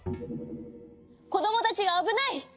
こどもたちがあぶない！